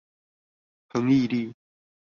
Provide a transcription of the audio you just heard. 恆毅力